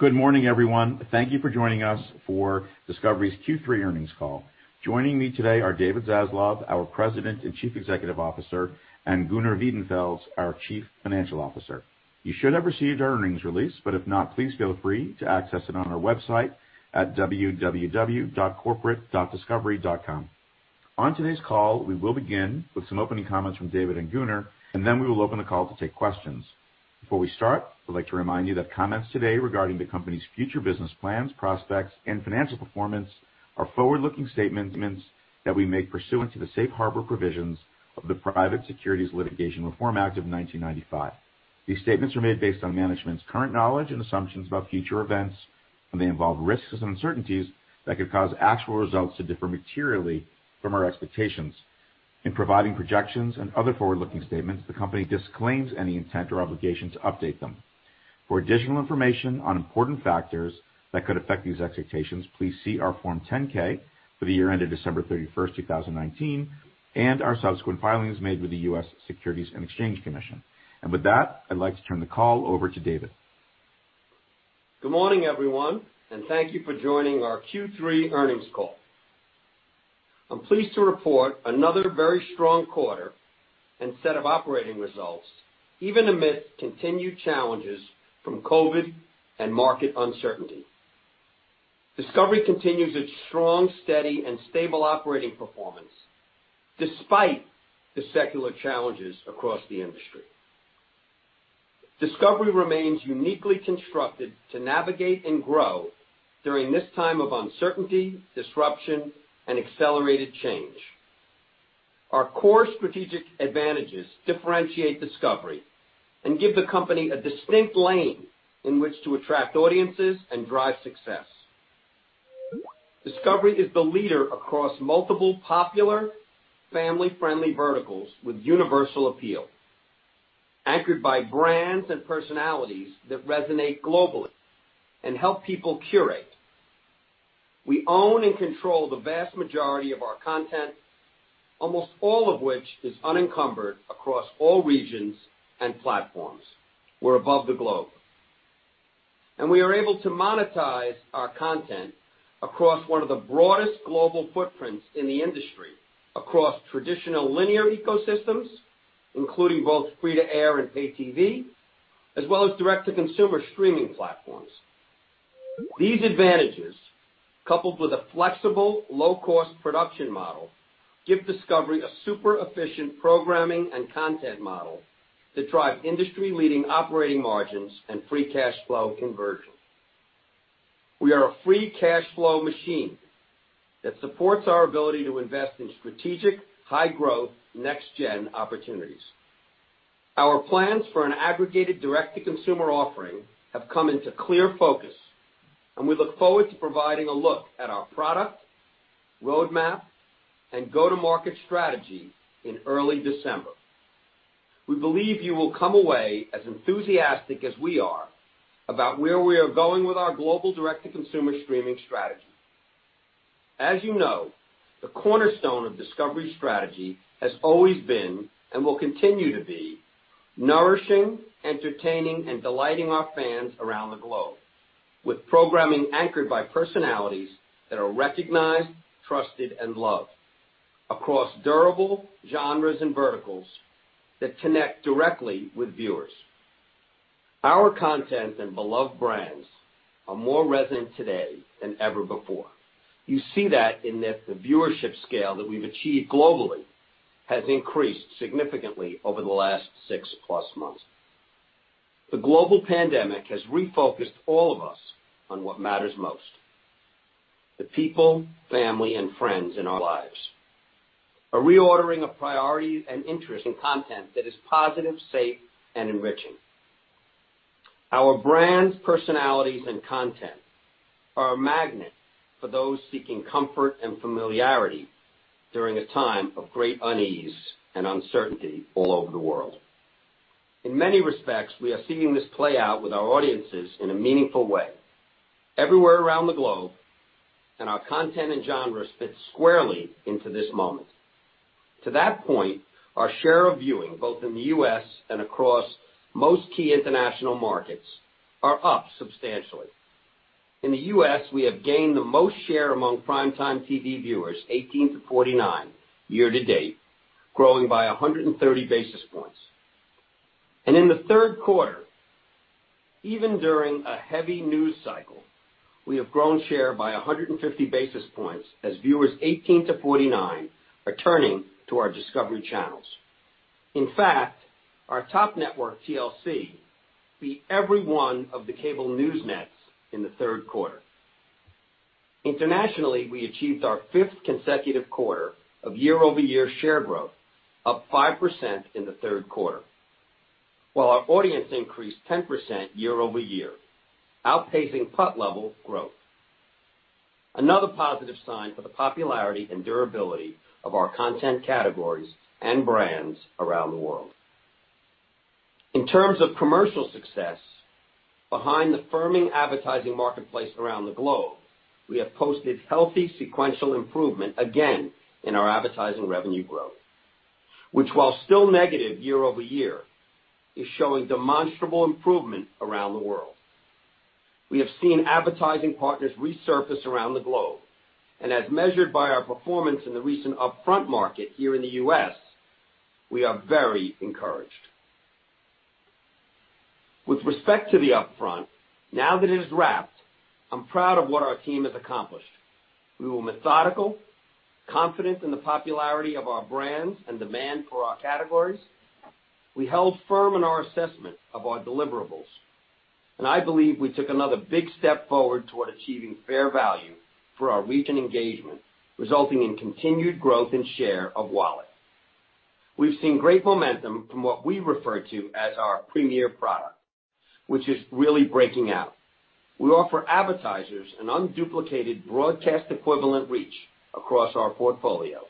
Good morning, everyone. Thank you for joining us for Discovery's Q3 Earnings Call. Joining me today are David Zaslav, our President and Chief Executive Officer, and Gunnar Wiedenfels, our Chief Financial Officer. You should have received our earnings release, but if not, please feel free to access it on our website at www.corporate.discovery.com. On today's call, we will begin with some opening comments from David and Gunnar, and then we will open the call to take questions. Before we start, I'd like to remind you that comments today regarding the company's future business plans, prospects, and financial performance are forward-looking statements that we make pursuant to the safe harbor provisions of the Private Securities Litigation Reform Act of 1995. These statements are made based on management's current knowledge and assumptions about future events, and they involve risks and uncertainties that could cause actual results to differ materially from our expectations. In providing projections and other forward-looking statements, the company disclaims any intent or obligation to update them. For additional information on important factors that could affect these expectations, please see our Form 10-K for the year ended December 31st, 2019, and our subsequent filings made with the U.S. Securities and Exchange Commission. With that, I'd like to turn the call over to David. Good morning, everyone, and thank you for joining our Q3 Earnings Call. I'm pleased to report another very strong quarter and set of operating results, even amidst continued challenges from COVID and market uncertainty. Discovery continues its strong, steady, and stable operating performance despite the secular challenges across the industry. Discovery remains uniquely constructed to navigate and grow during this time of uncertainty, disruption, and accelerated change. Our core strategic advantages differentiate Discovery and give the company a distinct lane in which to attract audiences and drive success. Discovery is the leader across multiple popular family-friendly verticals with universal appeal, anchored by brands and personalities that resonate globally and help people curate. We own and control the vast majority of our content, almost all of which is unencumbered across all regions and platforms. We're above the globe. We are able to monetize our content across one of the broadest global footprints in the industry, across traditional linear ecosystems, including both free-to-air and pay TV, as well as direct-to-consumer streaming platforms. These advantages, coupled with a flexible, low-cost production model, give Discovery a super efficient programming and content model to drive industry-leading operating margins and free cash flow conversion. We are a free cash flow machine that supports our ability to invest in strategic, high growth, next-gen opportunities. Our plans for an aggregated direct-to-consumer offering have come into clear focus, and we look forward to providing a look at our product, roadmap, and go-to-market strategy in early December. We believe you will come away as enthusiastic as we are about where we are going with our global direct-to-consumer streaming strategy. As you know, the cornerstone of Discovery's strategy has always been and will continue to be nourishing, entertaining, and delighting our fans around the globe with programming anchored by personalities that are recognized, trusted, and loved across durable genres and verticals that connect directly with viewers. Our content and beloved brands are more resonant today than ever before. You see that in that the viewership scale that we've achieved globally has increased significantly over the last six-plus months. The global pandemic has refocused all of us on what matters most, the people, family, and friends in our lives. A reordering of priorities and interest in content that is positive, safe, and enriching. Our brands, personalities, and content are a magnet for those seeking comfort and familiarity during a time of great unease and uncertainty all over the world. In many respects, we are seeing this play out with our audiences in a meaningful way everywhere around the globe, and our content and genres fit squarely into this moment. To that point, our share of viewing, both in the U.S. and across most key international markets, are up substantially. In the U.S., we have gained the most share among prime time TV viewers 18 to 49 year-to-date, growing by 130 basis points. In the third quarter, even during a heavy news cycle, we have grown share by 150 basis points as viewers 18 to 49 are turning to our Discovery channels. In fact, our top network, TLC, beat every one of the cable news nets in the third quarter. Internationally, we achieved our fifth consecutive quarter of year-over-year share growth, up 5% in the third quarter, while our audience increased 10% year-over-year, outpacing PUT level growth. Another positive sign for the popularity and durability of our content categories and brands around the world. In terms of commercial success, behind the firming advertising marketplace around the globe, we have posted healthy sequential improvement again in our advertising revenue growth, which while still negative year-over-year, is showing demonstrable improvement around the world. We have seen advertising partners resurface around the globe, and as measured by our performance in the recent upfront market here in the U.S., we are very encouraged. With respect to the Upfront, now that it is wrapped, I'm proud of what our team has accomplished. We were methodical, confident in the popularity of our brands and demand for our categories. We held firm in our assessment of our deliverables, and I believe we took another big step forward toward achieving fair value for our reach and engagement, resulting in continued growth in share of wallet. We've seen great momentum from what we refer to as our premiere product, which is really breaking out. We offer advertisers an unduplicated broadcast equivalent reach across our portfolio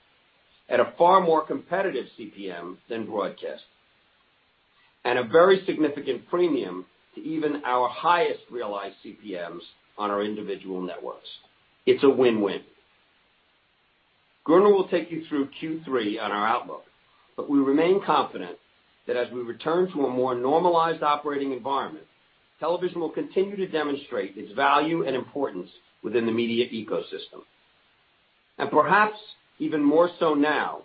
at a far more competitive CPM than broadcast, and a very significant premium to even our highest realized CPMs on our individual networks. It's a win-win. Gunnar will take you through Q3 on our outlook. We remain confident that as we return to a more normalized operating environment, television will continue to demonstrate its value and importance within the media ecosystem. Perhaps even more so now,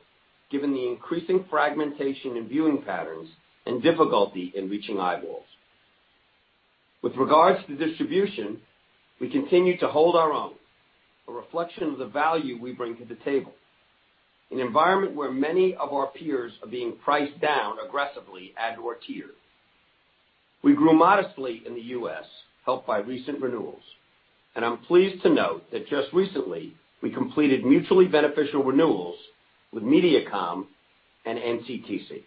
given the increasing fragmentation in viewing patterns and difficulty in reaching eyeballs. With regards to distribution, we continue to hold our own, a reflection of the value we bring to the table, an environment where many of our peers are being priced down aggressively, at tier. We grew modestly in the U.S., helped by recent renewals. I'm pleased to note that just recently, we completed mutually beneficial renewals with Mediacom and NCTC.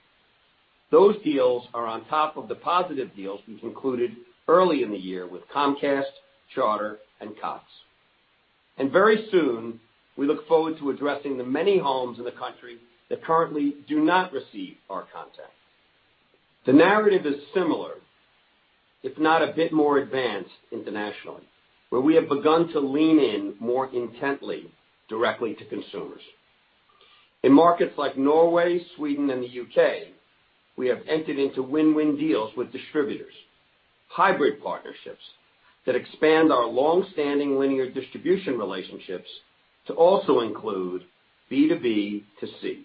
Those deals are on top of the positive deals we've concluded early in the year with Comcast, Charter, and Cox. Very soon, we look forward to addressing the many homes in the country that currently do not receive our content. The narrative is similar- if not a bit more advanced internationally, where we have begun to lean in more intently directly to consumers. In markets like Norway, Sweden, and the U.K., we have entered into win-win deals with distributors- hybrid partnerships that expand our longstanding linear distribution relationships to also include B2B2C,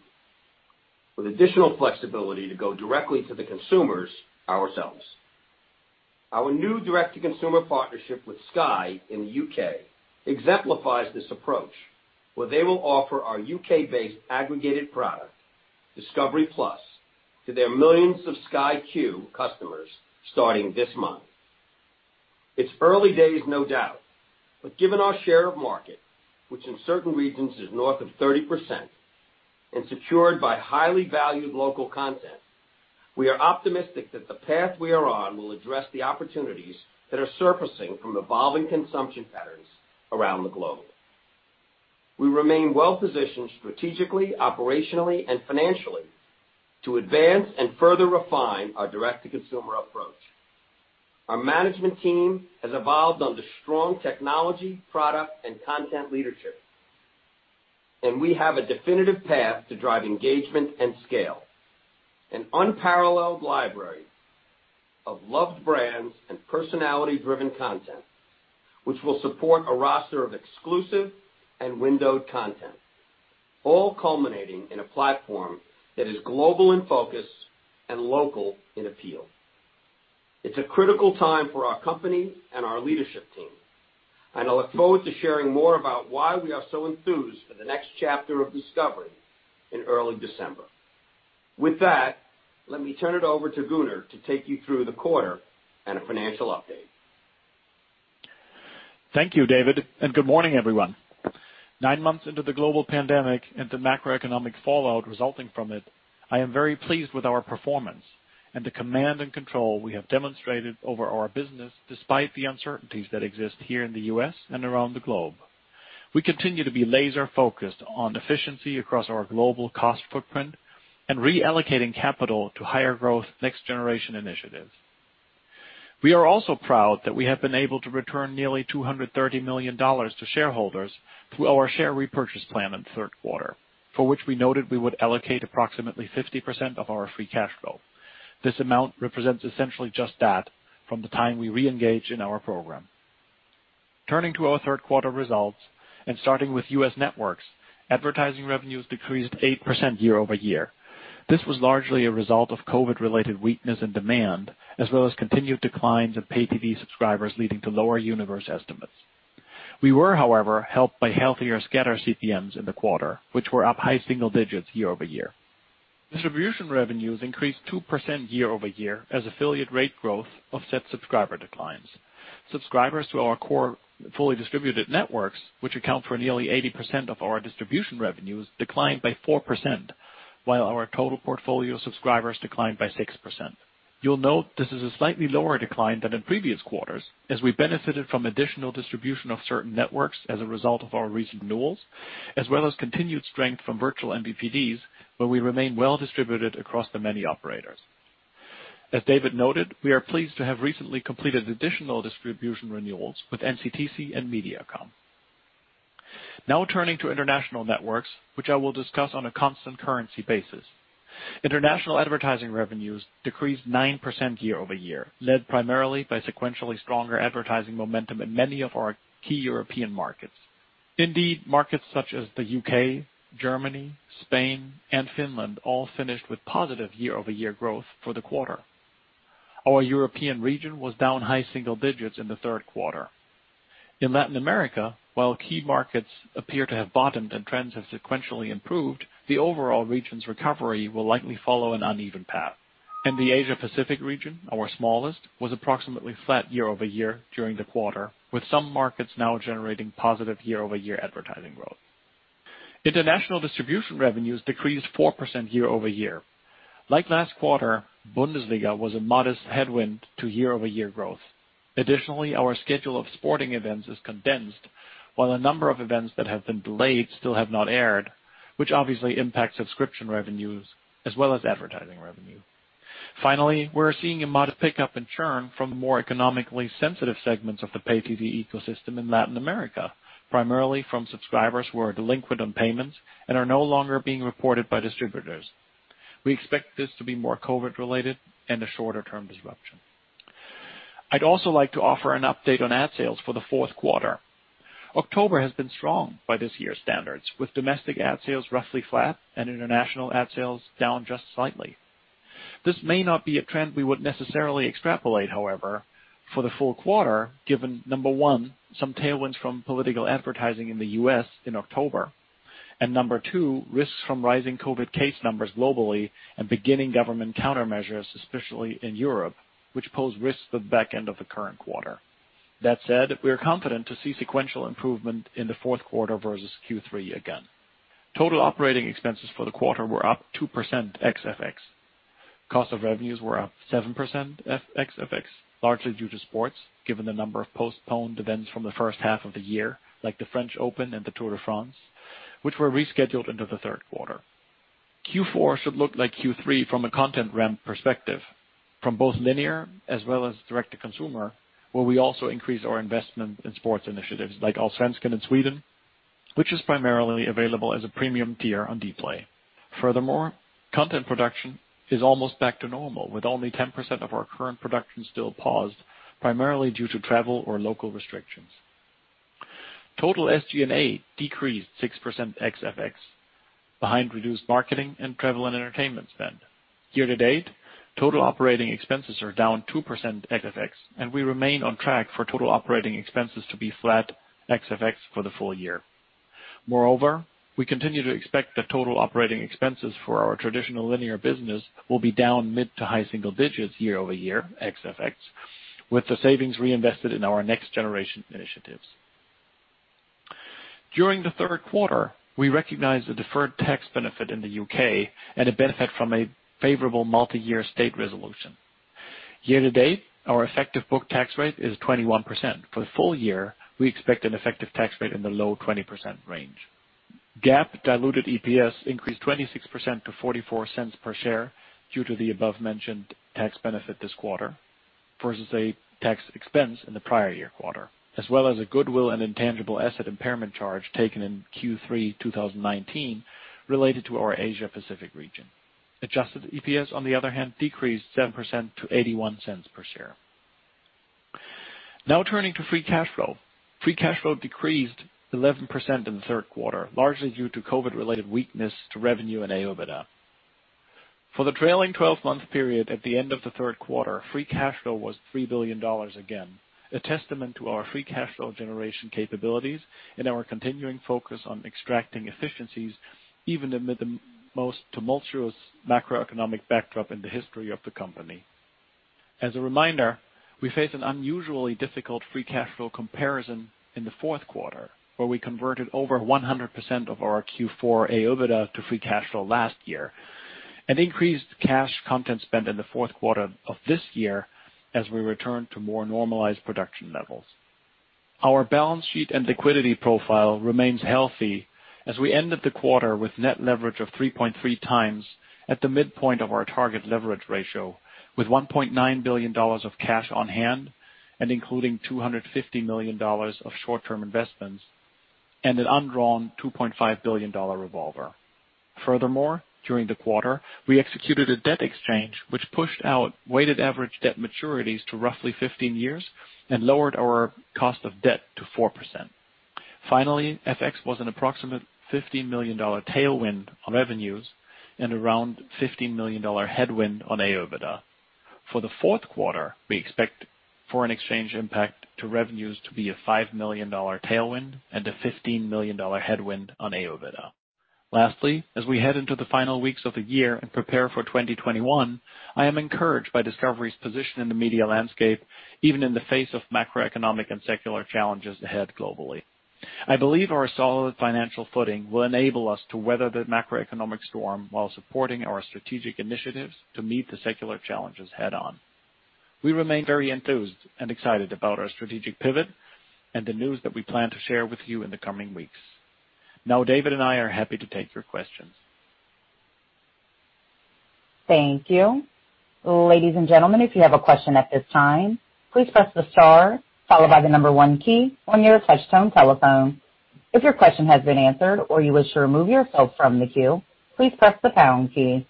with additional flexibility to go directly to the consumers ourselves. Our new direct-to-consumer partnership with Sky in the U.K. exemplifies this approach, where they will offer our U.K.-based aggregated product, discovery+, to their millions of Sky Q customers starting this month. It's early days, no doubt. Given our share of market, which in certain regions is north of 30% and secured by highly valued local content, we are optimistic that the path we are on will address the opportunities that are surfacing from evolving consumption patterns around the globe. We remain well-positioned strategically, operationally, and financially to advance and further refine our direct-to-consumer approach. Our management team has evolved under strong technology, product, and content leadership. We have a definitive path to drive engagement and scale. An unparalleled library of loved brands and personality-driven content, which will support a roster of exclusive and windowed content, all culminating in a platform that is global in focus and local in appeal. It's a critical time for our company and our leadership team. I look forward to sharing more about why we are so enthused for the next chapter of Discovery in early December. With that, let me turn it over to Gunnar to take you through the quarter and a financial update. Thank you, David. Good morning, everyone. Nine months into the global pandemic and the macroeconomic fallout resulting from it, I am very pleased with our performance and the command and control we have demonstrated over our business, despite the uncertainties that exist here in the U.S. and around the globe. We continue to be laser-focused on efficiency across our global cost footprint and reallocating capital to higher growth next-generation initiatives. We are also proud that we have been able to return nearly $230 million to shareholders through our share repurchase plan in the third quarter, for which we noted we would allocate approximately 50% of our free cash flow. This amount represents essentially just that from the time we reengaged in our program. Turning to our third quarter results and starting with U.S. networks, advertising revenues decreased 8% year-over-year. This was largely a result of COVID-related weakness and demand, as well as continued declines of pay TV subscribers, leading to lower universe estimates. We were, however, helped by healthier scatter CPMs in the quarter, which were up high single digits year-over-year. Distribution revenues increased 2% year-over-year as affiliate rate growth offset subscriber declines. Subscribers to our core fully distributed networks, which account for nearly 80% of our distribution revenues, declined by 4%, while our total portfolio subscribers declined by 6%. You'll note this is a slightly lower decline than in previous quarters, as we benefited from additional distribution of certain networks as a result of our recent renewals, as well as continued strength from virtual MVPDs, where we remain well distributed across the many operators. As David noted, we are pleased to have recently completed additional distribution renewals with NCTC and Mediacom. Turning to international networks, which I will discuss on a constant currency basis. International advertising revenues decreased 9% year-over-year, led primarily by sequentially stronger advertising momentum in many of our key European markets. Indeed, markets such as the U.K., Germany, Spain, and Finland all finished with positive year-over-year growth for the quarter. Our European region was down high single digits in the third quarter. Latin America, while key markets appear to have bottomed and trends have sequentially improved, the overall region's recovery will likely follow an uneven path. The Asia Pacific region, our smallest, was approximately flat year-over-year during the quarter, with some markets now generating positive year-over-year advertising growth. International distribution revenues decreased 4% year-over-year. Like last quarter, Bundesliga was a modest headwind to year-over-year growth. Additionally, our schedule of sporting events is condensed, while a number of events that have been delayed still have not aired, which obviously impacts subscription revenues as well as advertising revenue. Finally, we're seeing a modest pickup in churn from the more economically sensitive segments of the pay-TV ecosystem in Latin America, primarily from subscribers who are delinquent on payments and are no longer being reported by distributors. We expect this to be more COVID-related and a shorter-term disruption. I'd also like to offer an update on ad sales for the fourth quarter. October has been strong by this year's standards, with domestic ad sales roughly flat and international ad sales down just slightly. This may not be a trend we would necessarily extrapolate, however, for the full quarter, given, number one, some tailwinds from political advertising in the U.S. in October. Number two, risks from rising COVID case numbers globally and beginning government countermeasures, especially in Europe, which pose risks to the back end of the current quarter. That said, we are confident to see sequential improvement in the fourth quarter versus Q3 again. Total operating expenses for the quarter were up 2% ex FX. Cost of revenues were up 7% ex FX, largely due to sports, given the number of postponed events from the first half of the year, like the French Open and the Tour de France, which were rescheduled into the third quarter. Q4 should look like Q3 from a content ramp perspective- from both linear as well as direct-to-consumer, where we also increase our investment in sports initiatives like Allsvenskan in Sweden, which is primarily available as a premium tier on Dplay. Furthermore, content production is almost back to normal, with only 10% of our current production still paused, primarily due to travel or local restrictions. Total SG&A decreased six percent ex FX behind reduced marketing and travel and entertainment spend. Year-to-date, total operating expenses are down two percent ex FX, and we remain on track for total operating expenses to be flat ex FX for the full year. Moreover, we continue to expect that total operating expenses for our traditional linear business will be down mid to high single digits year-over-year ex FX, with the savings reinvested in our next generation initiatives. During the third quarter, we recognized a deferred tax benefit in the U.K. and a benefit from a favorable multi-year state resolution. Year-to-date, our effective book tax rate is 21%. For the full year, we expect an effective tax rate in the low 20% range. GAAP diluted EPS increased 26% to $0.44 per share due to the above-mentioned tax benefit this quarter versus a tax expense in the prior year quarter, as well as a goodwill and intangible asset impairment charge taken in Q3 2019 related to our Asia Pacific region. Adjusted EPS, on the other hand, decreased 7% to $0.81 per share. Turning to free cash flow. Free cash flow decreased 11% in the third quarter, largely due to COVID-related weakness to revenue and AOIBDA. For the trailing 12-month period at the end of the third quarter, free cash flow was $3 billion again, a testament to our free cash flow generation capabilities and our continuing focus on extracting efficiencies even amid the most tumultuous macroeconomic backdrop in the history of the company. As a reminder, we face an unusually difficult free cash flow comparison in the fourth quarter, where we converted over 100% of our Q4 AOIBDA to free cash flow last year and increased cash content spend in the fourth quarter of this year as we return to more normalized production levels. Our balance sheet and liquidity profile remains healthy as we ended the quarter with net leverage of 3.3 times at the midpoint of our target leverage ratio, with $1.9 billion of cash on hand and including $250 million of short-term investments and an undrawn $2.5 billion revolver. Furthermore, during the quarter, we executed a debt exchange, which pushed out weighted average debt maturities to roughly 15 years and lowered our cost of debt to 4%. Finally, FX was an approximate $50 million tailwind on revenues and around $15 million headwind on AOIBDA. For the fourth quarter, we expect foreign exchange impact to revenues to be a $5 million tailwind and a $15 million headwind on AOIBDA. Lastly, as we head into the final weeks of the year and prepare for 2021, I am encouraged by Discovery's position in the media landscape, even in the face of macroeconomic and secular challenges ahead globally. I believe our solid financial footing will enable us to weather the macroeconomic storm while supporting our strategic initiatives to meet the secular challenges head-on. We remain very enthused and excited about our strategic pivot and the news that we plan to share with you in the coming weeks. Now, David and I are happy to take your questions. Thank you. Ladies and gentlemen, if you have a question at this time, please press the star followed by the number one key on your touch-tone telephone. If your question has been answered, or you wish to remove yourself from the queue, please press the pound key.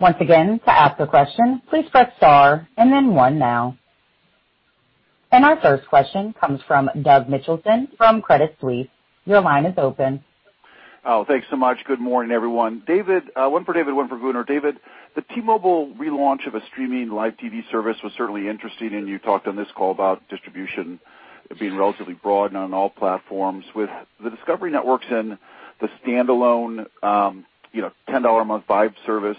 Once again, to ask a question, please press star and then one now. Our first question comes from Douglas Mitchelson from Credit Suisse. Your line is open. Oh, thanks so much. Good morning, everyone. One for David, one for Gunnar. David, the T-Mobile relaunch of a streaming live TV service was certainly interesting, and you talked on this call about distribution being relatively broad and on all platforms. With the Discovery networks and the standalone $10 a month Vibe service,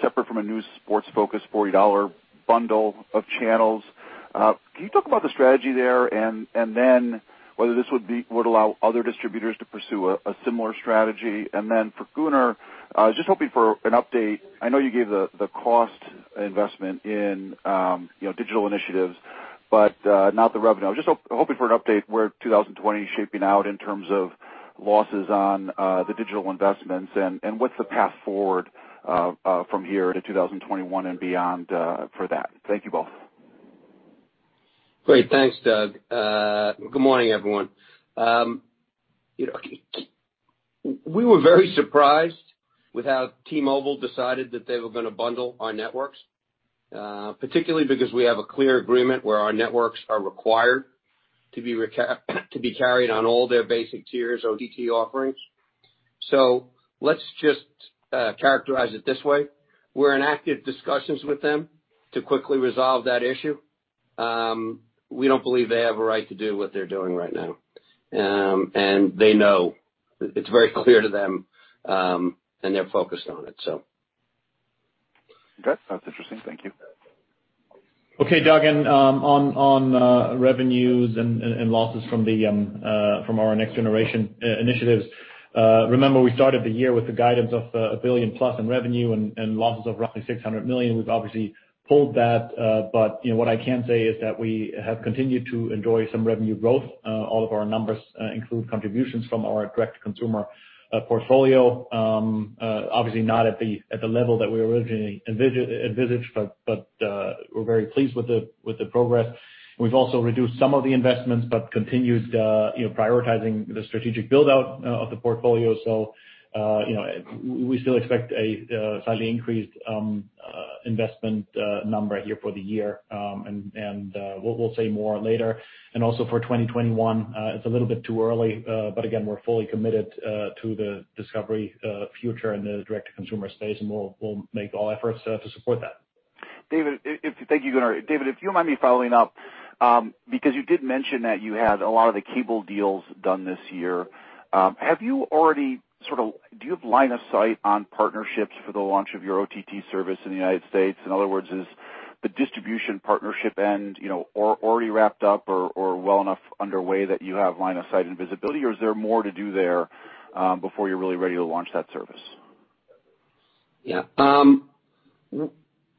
separate from a new sports-focused $40 bundle of channels, can you talk about the strategy there and then whether this would allow other distributors to pursue a similar strategy? For Gunnar, just hoping for an update. I know you gave the cost investment in digital initiatives, but not the revenue. I'm just hoping for an update where 2020 is shaping out in terms of losses on the digital investments and what's the path forward from here to 2021 and beyond for that. Thank you both. Great. Thanks, Doug. Good morning, everyone. We were very surprised with how T-Mobile decided that they were going to bundle our networks, particularly because we have a clear agreement where our networks are required to be carried on all their basic tiers OTT offerings. Let's just characterize it this way- we're in active discussions with them to quickly resolve that issue. We don't believe they have a right to do what they're doing right now. They know. It's very clear to them, and they're focused on it. Okay. That's interesting. Thank you. Okay, Doug, on revenues and losses from our next generation initiatives. Remember we started the year with the guidance of a $1 billion-plus in revenue and losses of roughly $600 million. We've obviously pulled that. What I can say is that we have continued to enjoy some revenue growth. All of our numbers include contributions from our direct consumer portfolio. Obviously not at the level that we originally envisaged, we're very pleased with the progress. We've also reduced some of the investments, continued prioritizing the strategic build-out of the portfolio. We still expect a slightly increased investment number here for the year. We'll say more later. Also for 2021, it's a little bit too early. Again, we're fully committed to the Discovery future in the direct-to-consumer space, we'll make all efforts to support that. Thank you, Gunnar. David, if you don't mind me following up- you did mention that you had a lot of the cable deals done this year. Do you have line of sight on partnerships for the launch of your OTT service in the U.S.? In other words, is the distribution partnership end already wrapped up or well enough underway that you have line of sight and visibility, or is there more to do there before you're really ready to launch that service? Yeah.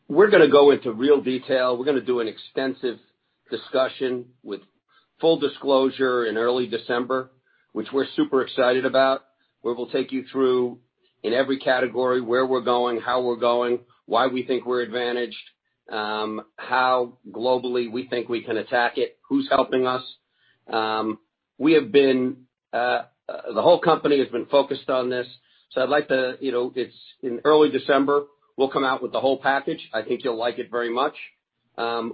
We're going to go into real detail. We're going to do an extensive discussion with full disclosure in early December, which we're super excited about, where we'll take you through in every category, where we're going, how we're going, why we think we're advantaged. How globally we think we can attack it, who's helping us. The whole company has been focused on this. In early December, we'll come out with the whole package. I think you'll like it very much.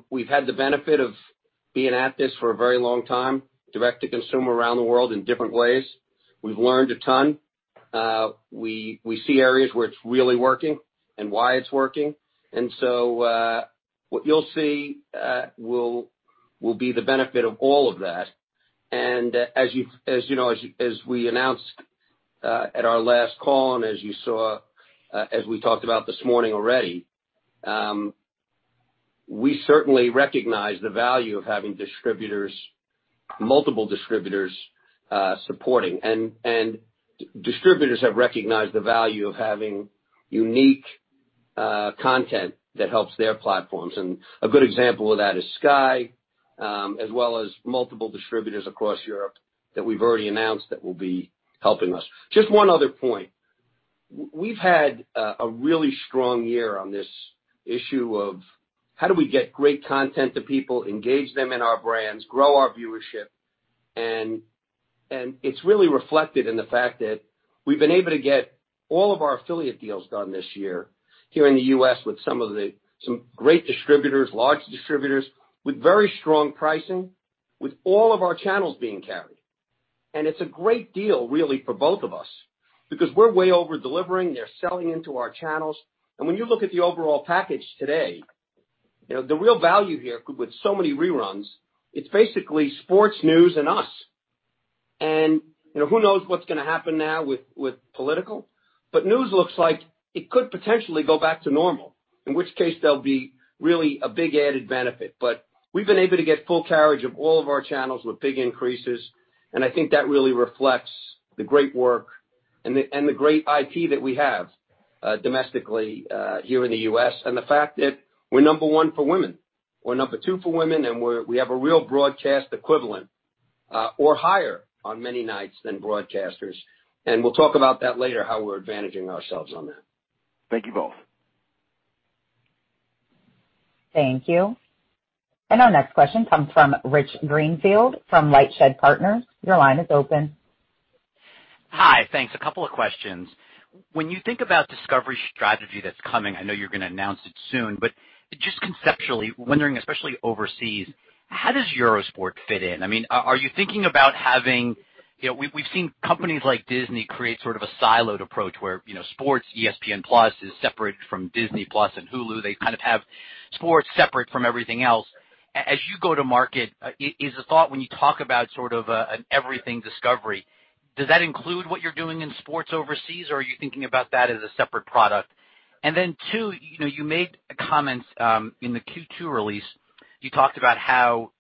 We've had the benefit of being at this for a very long time, direct to consumer around the world in different ways. We've learned a ton. We see areas where it's really working and why it's working. What you'll see will be the benefit of all of that. As we announced at our last call and as we talked about this morning already, we certainly recognize the value of having multiple distributors supporting. Distributors have recognized the value of having unique content that helps their platforms. A good example of that is Sky, as well as multiple distributors across Europe that we've already announced that will be helping us. Just one other point. We've had a really strong year on this issue of how do we get great content to people, engage them in our brands, grow our viewership, and it's really reflected in the fact that we've been able to get all of our affiliate deals done this year here in the U.S. with some great distributors, large distributors, with very strong pricing, with all of our channels being carried. It's a great deal really for both of us because we're way over-delivering- they're selling into our channels. When you look at the overall package today, the real value here with so many reruns, it's basically sports news and us. Who knows what's going to happen now with political- news looks like it could potentially go back to normal, in which case there'll be really a big added benefit. We've been able to get full carriage of all of our channels with big increases, and I think that really reflects the great work and the great IP that we have domestically here in the U.S. The fact that we're number one for women- we're number two for women, and we have a real broadcast equivalent or higher on many nights than broadcasters. We'll talk about that later, how we're advantaging ourselves on that. Thank you both. Thank you. Our next question comes from Rich Greenfield from LightShed Partners. Hi. Thanks. A couple of questions. When you think about Discovery's strategy that's coming, I know you're going to announce it soon, but just conceptually wondering, especially overseas, how does Eurosport fit in? Are you thinking about We've seen companies like Disney create sort of a siloed approach where sports- ESPN+ is separate from Disney+ and Hulu. They kind of have sports separate from everything else. As you go to market, is the thought when you talk about sort of an everything Discovery, does that include what you're doing in sports overseas, or are you thinking about that as a separate product? Then two, you made comments in the Q2 release. You talked about how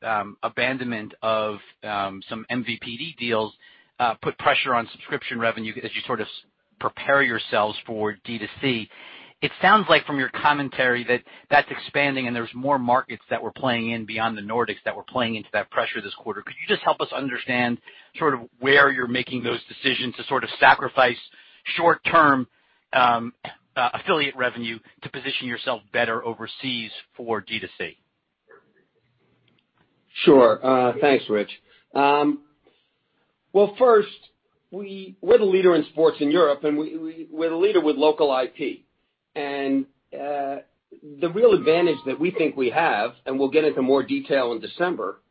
abandonment of some MVPD deals put pressure on subscription revenue as you sort of prepare yourselves for D2C. It sounds like from your commentary that that's expanding and there's more markets that we're playing in beyond the Nordics that we're playing into that pressure this quarter. Could you just help us understand sort of where you're making those decisions to sort of sacrifice short-term affiliate revenue to position yourself better overseas for D2C? Sure. Thanks, Rich. Well, first, we're the leader in sports in Europe, and we're the leader with local IP. The real advantage that we think we have, and we'll get into more detail in December,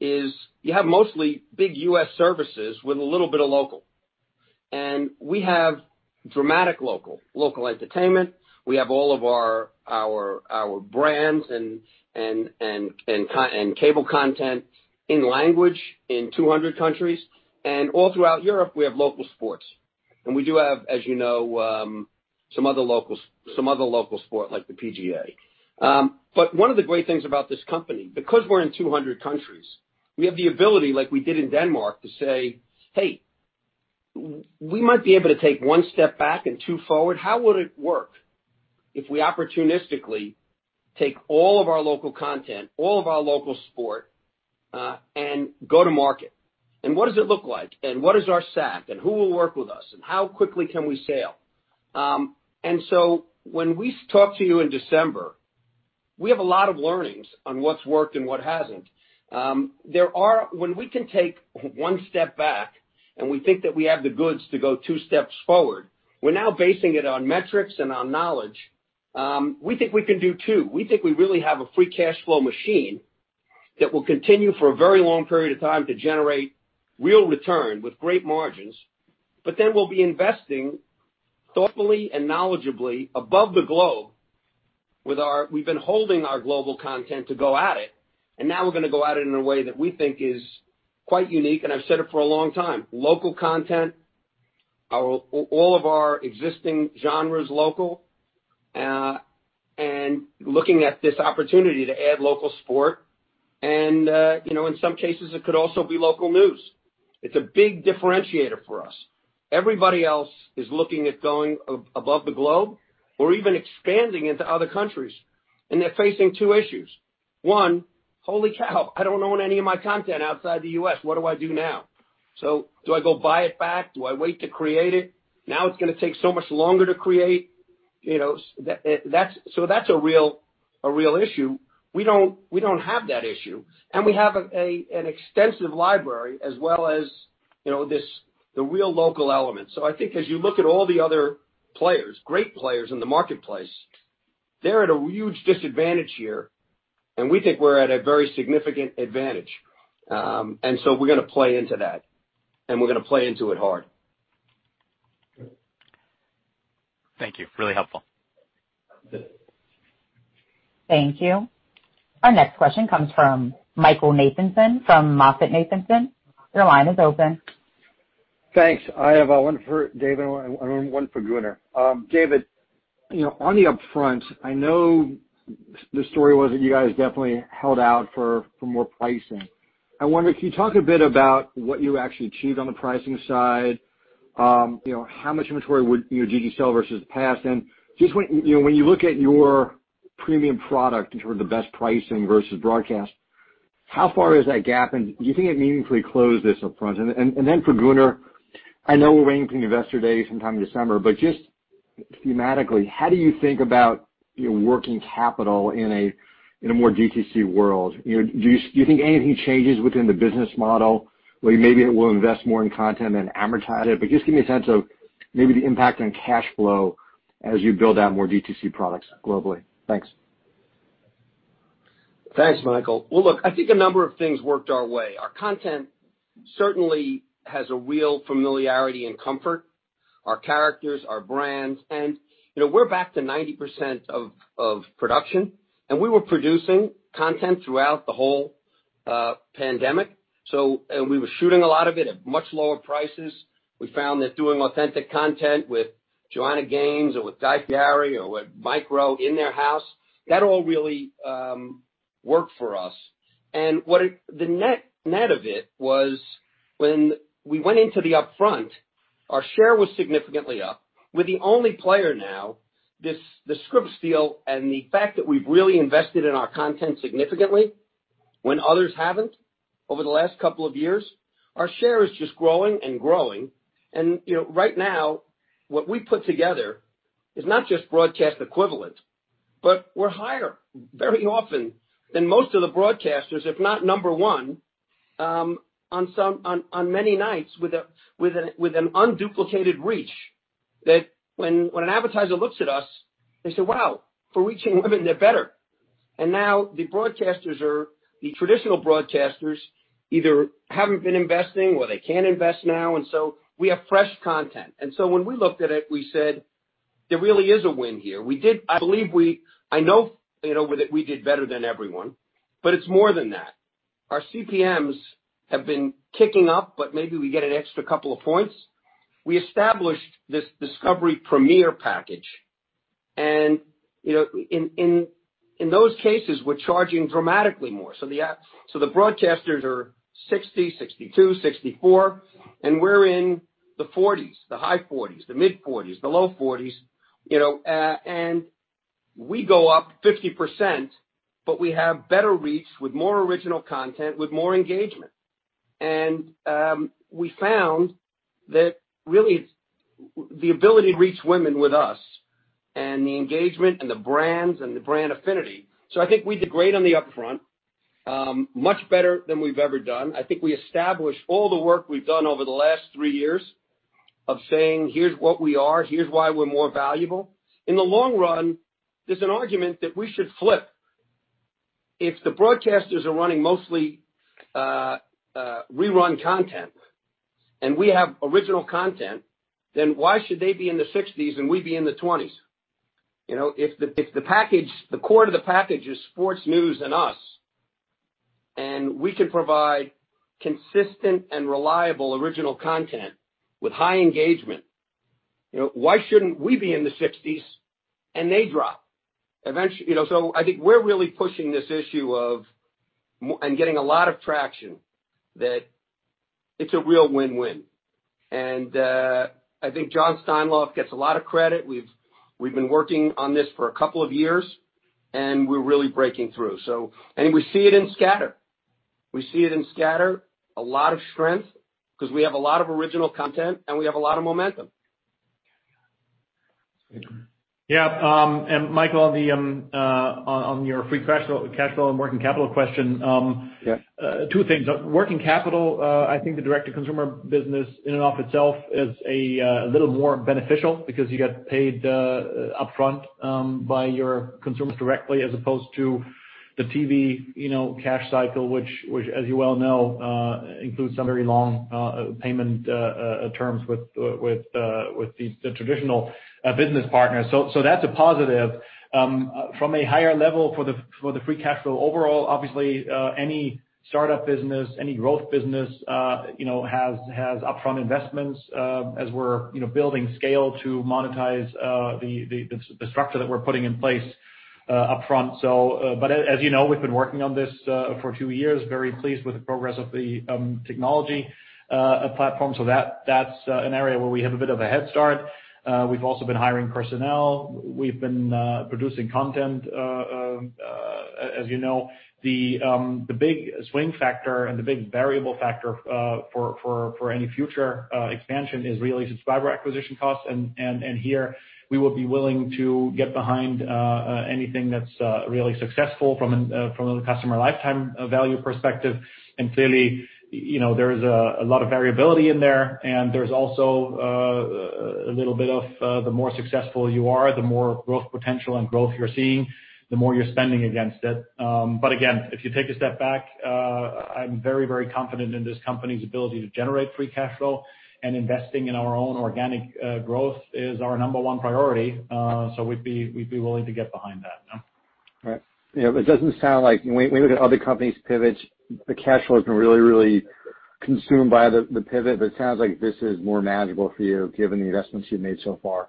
is you have mostly big U.S. services with a little bit of local. We have dramatic local. Local entertainment. We have all of our brands and cable content in language in 200 countries. All throughout Europe, we have local sports. We do have, as you know, some other local sport like the PGA. One of the great things about this company, because we're in 200 countries, we have the ability, like we did in Denmark, to say, "Hey, we might be able to take one step back and two forward. How would it work if we opportunistically take all of our local content, all of our local sport, and go to market? What does it look like? What is our SAC? Who will work with us? How quickly can we scale? When we talk to you in December, we have a lot of learnings on what's worked and what hasn't. When we can take one step back and we think that we have the goods to go two steps forward, we're now basing it on metrics and on knowledge. We think we can do two. We think we really have a free cash flow machine that will continue for a very long period of time to generate real return with great margins, but then we'll be investing thoughtfully and knowledgeably above the globe. We've been holding our global content to go at it, and now we're going to go at it in a way that we think is quite unique, and I've said it for a long time. Local content, all of our existing genres local, looking at this opportunity to add local sport and, in some cases, it could also be local news. It's a big differentiator for us. Everybody else is looking at going above the globe or even expanding into other countries, and they're facing two issues- one, holy cow. I don't own any of my content outside the U.S. What do I do now? Do I go buy it back? Do I wait to create it? It's going to take so much longer to create. That's a real issue. We don't have that issue. We have an extensive library as well as the real local element. I think as you look at all the other players, great players in the marketplace, they're at a huge disadvantage here, and we think we're at a very significant advantage. We're going to play into that, and we're going to play into it hard. Thank you. Really helpful. Thank you. Our next question comes from Michael Nathanson from MoffettNathanson. Your line is open. Thanks. I have one for David and one for Gunnar. David, on the upfront, I know the story was that you guys definitely held out for more pricing. I wonder if you talk a bit about what you actually achieved on the pricing side. How much inventory would you sell versus the past? Just when you look at your premium product in terms of the best pricing versus broadcast, how far is that gap, and do you think it meaningfully closed this upfront? Then for Gunnar, I know we're waiting for the Investor Day sometime in December, but just thematically, how do you think about your working capital in a more D2C world? Do you think anything changes within the business model, where maybe it will invest more in content than advertise it? Just give me a sense of maybe the impact on cash flow as you build out more D2C products globally. Thanks. Thanks, Michael. Well, look, I think a number of things worked our way. Our content certainly has a real familiarity and comfort. Our characters, our brands. We're back to 90% of production, and we were producing content throughout the whole pandemic. We were shooting a lot of it at much lower prices. We found that doing authentic content with Joanna Gaines or with Guy Fieri or with Mike Rowe in their house, that all really worked for us. The net of it was when we went into the upfront, our share was significantly up. We're the only player now. This Scripps deal and the fact that we've really invested in our content significantly when others haven't over the last couple of years, our share is just growing and growing. Right now, what we put together is not just broadcast equivalent, but we're higher very often than most of the broadcasters, if not number one on many nights with an unduplicated reach that when an advertiser looks at us, they say, "Wow, for reaching women, they're better." Now the traditional broadcasters either haven't been investing or they can't invest now, we have fresh content. When we looked at it, we said, "There really is a win here." I know that we did better than everyone, but it's more than that. Our CPMs have been ticking up, but maybe we get an extra couple of points. We established this Discovery Premiere package, in those cases, we're charging dramatically more. The broadcasters are 60, 62, 64, and we're in the 40s, the high 40s, the mid 40s, the low 40s. We go up 50%. We have better reach with more original content, with more engagement. We found that really the ability to reach women with us and the engagement and the brands and the brand affinity. I think we did great on the upfront. Much better than we've ever done. I think we established all the work we've done over the last three years of saying, "Here's what we are, here's why we're more valuable." In the long run, there's an argument that we should flip. If the broadcasters are running mostly rerun content and we have original content, why should they be in the 60s and we be in the 20s? If the core to the package is sports news and us, we can provide consistent and reliable original content with high engagement, why shouldn't we be in the 60s and they drop? I think we're really pushing this issue of, and getting a lot of traction, that it's a real win-win. I think Jon Steinlauf gets a lot of credit. We've been working on this for a couple of years, and we're really breaking through. We see it in scatter, a lot of strength, because we have a lot of original content, and we have a lot of momentum. Yeah. Michael, on your free cash flow and working capital question- Yeah. Two things. Working capital, I think the direct-to-consumer business in and of itself is a little more beneficial because you get paid upfront by your consumers directly as opposed to the TV cash cycle, which as you well know includes some very long payment terms with the traditional business partners. That's a positive. From a higher level for the free cash flow overall, obviously any startup business, any growth business has upfront investments as we're building scale to monetize the structure that we're putting in place upfront. As you know, we've been working on this for two years. Very pleased with the progress of the technology platform. That's an area where we have a bit of a head start. We've also been hiring personnel. We've been producing content. As you know, the big swing factor and the big variable factor for any future expansion is really subscriber acquisition costs. Here we will be willing to get behind anything that's really successful from a customer lifetime value perspective. Clearly, there is a lot of variability in there and there's also a little bit of the more successful you are, the more growth potential and growth you're seeing, the more you're spending against it. Again, if you take a step back, I'm very confident in this company's ability to generate free cash flow and investing in our own organic growth is our number one priority. We'd be willing to get behind that. Yeah. All right. It doesn't sound like, when we look at other companies' pivots, the cash flow has been really consumed by the pivot, but it sounds like this is more manageable for you given the investments you've made so far.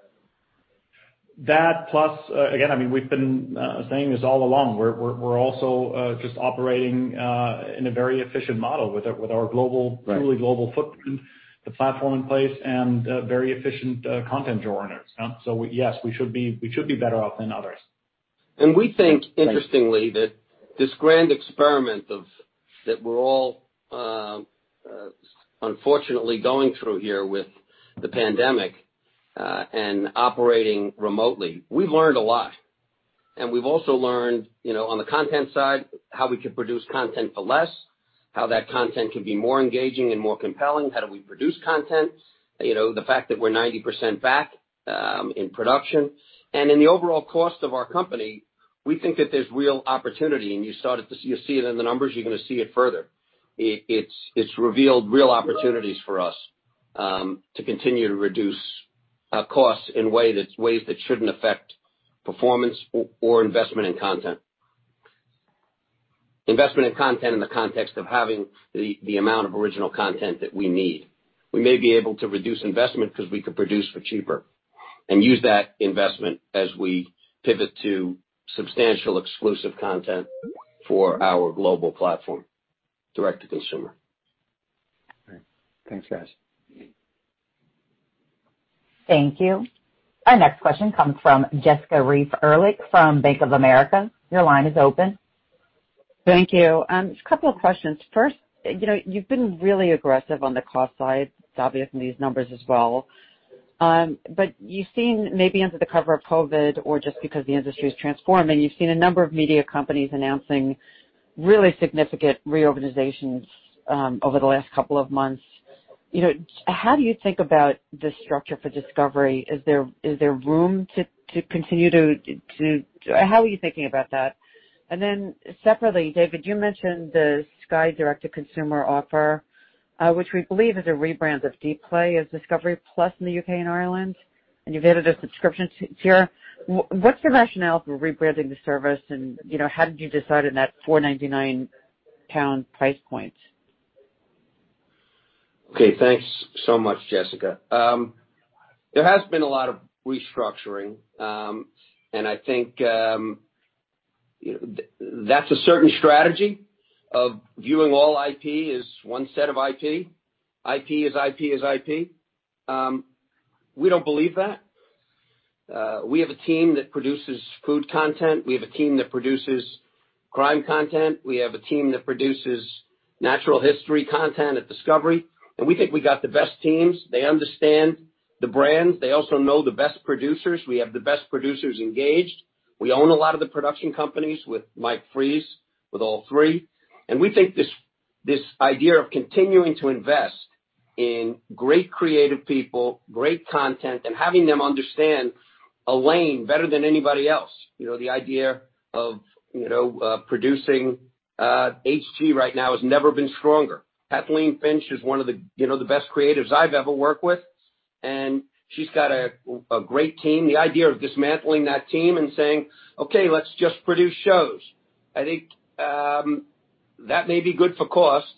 That plus, again, we've been saying this all along, we're also just operating in a very efficient model with our truly global footprint, the platform in place, and very efficient content owners. Yes, we should be better off than others. We think, interestingly, that this grand experiment of that we're all unfortunately going through here with the pandemic and operating remotely, we've learned a lot. We've also learned on the content side how we could produce content for less, how that content can be more engaging and more compelling, how do we produce content- the fact that we're 90% back in production. In the overall cost of our company, we think that there's real opportunity. You see it in the numbers, you're going to see it further. It's revealed real opportunities for us to continue to reduce costs in ways that shouldn't affect performance or investment in content. Investment in content in the context of having the amount of original content that we need. We may be able to reduce investment because we could produce for cheaper and use that investment as we pivot to substantial exclusive content for our global platform direct to consumer. All right. Thanks, guys. Thank you. Our next question comes from Jessica Reif Ehrlich from Bank of America. Your line is open. Thank you. Just a couple of questions. First, you've been really aggressive on the cost side. It's obvious from these numbers as well. You've seen maybe under the cover of COVID or just because the industry is transforming, you've seen a number of media companies announcing really significant reorganizations over the last couple of months. How do you think about the structure for Discovery? Is there room to continue- how are you thinking about that? Separately, David, you mentioned the Sky direct-to-consumer offer, which we believe is a rebrand of Dplay as discovery+ in the U.K. and Ireland, and you've added a subscription tier. What's your rationale for rebranding the service and how did you decide on that 4.99 pound price point? Okay. Thanks so much, Jessica. There has been a lot of restructuring. I think that's a certain strategy of viewing all IP as one set of IP. IP is IP is IP. We don't believe that. We have a team that produces food content. We have a team that produces crime content. We have a team that produces natural history content at Discovery. We think we got the best teams. They understand the brands. They also know the best producers. We have the best producers engaged. We own a lot of the production companies with Mike Fries, with All3. We think this idea of continuing to invest in great creative people, great content, and having them understand a lane better than anybody else. The idea of producing HGTV right now has never been stronger. Kathleen Finch is one of the best creatives I've ever worked with, and she's got a great team. The idea of dismantling that team and saying, "Okay, let's just produce shows." I think that may be good for cost,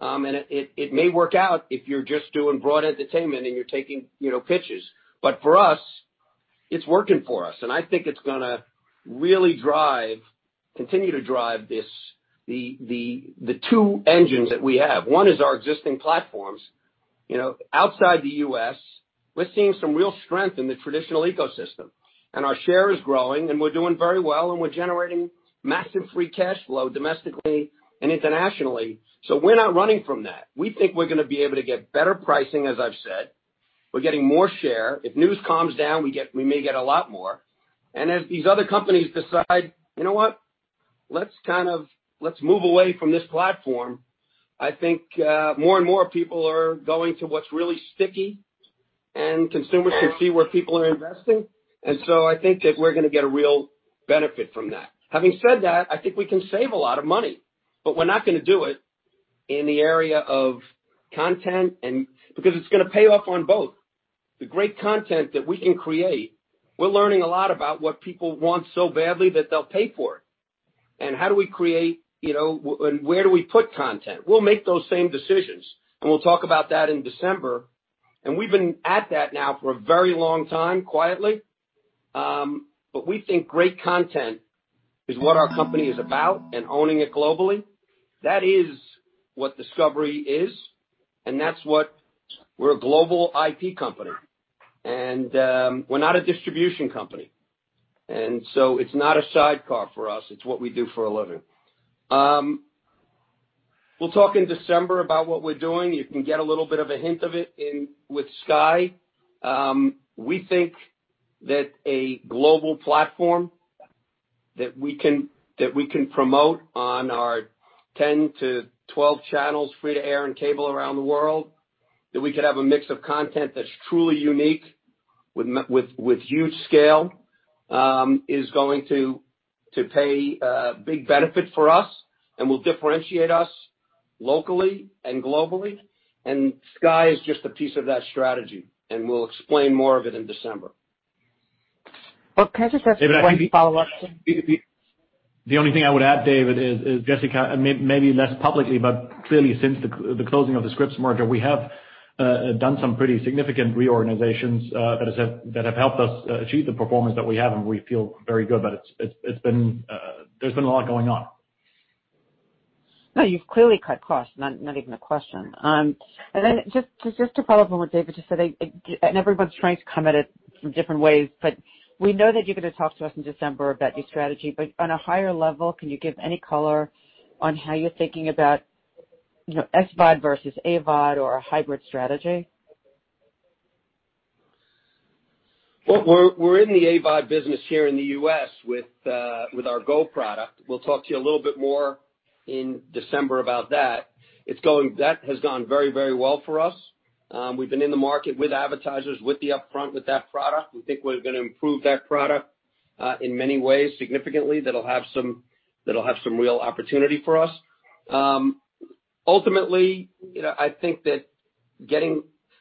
and it may work out if you're just doing broad entertainment and you're taking pitches. For us, it's working for us, and I think it's going to really continue to drive the two engines that we have. One is our existing platforms. Outside the U.S., we're seeing some real strength in the traditional ecosystem. Our share is growing, and we're doing very well, and we're generating massive free cash flow domestically and internationally. We're not running from that. We think we're going to be able to get better pricing, as I've said. We're getting more share. If news calms down, we may get a lot more. As these other companies decide, "You know what? Let's move away from this platform." I think more and more people are going to what's really sticky, and consumers can see where people are investing. I think that we're going to get a real benefit from that. Having said that, I think we can save a lot of money, but we're not going to do it in the area of content- because it's going to pay off on both. The great content that we can create, we're learning a lot about what people want so badly that they'll pay for it, and how do we create, and where do we put content? We'll make those same decisions, and we'll talk about that in December. We've been at that now for a very long time, quietly. We think great content is what our company is about and owning it globally. That is what Discovery is- and we're a global IP company. We're not a distribution company. It's not a sidecar for us. It's what we do for a living. We'll talk in December about what we're doing. You can get a little bit of a hint of it with Sky. We think that a global platform that we can promote on our 10 to 12 channels, free to air and cable around the world, that we could have a mix of content that's truly unique with huge scale, is going to pay a big benefit for us and will differentiate us locally and globally. Sky is just a piece of that strategy, and we'll explain more of it in December. Can I just ask one follow-up? The only thing I would add, David, is Jessica, maybe less publicly, but clearly since the closing of the Scripps merger, we have done some pretty significant reorganizations that have helped us achieve the performance that we have, and we feel very good about it. There's been a lot going on. No, you've clearly cut costs. Not even a question. Just to follow up on what David just said, everyone's trying to come at it from different ways, but we know that you're going to talk to us in December about your strategy. On a higher level, can you give any color on how you're thinking about SVOD versus AVOD or a hybrid strategy? Well, we're in the AVOD business here in the U.S. with our GO product. We'll talk to you a little bit more in December about that. That has gone very, very well for us. We've been in the market with advertisers, with the upfront, with that product. We think we're going to improve that product in many ways significantly that'll have some real opportunity for us. Ultimately, I think that